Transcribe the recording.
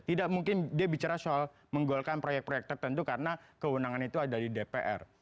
tidak mungkin dia bicara soal menggolkan proyek proyek tertentu karena kewenangan itu ada di dpr